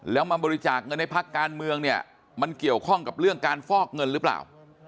แล้วมาบริจาคเงินให้พักการเมืองเนี่ยมันเกี่ยวข้องกับเรื่องการฟอกเงินหรือเปล่า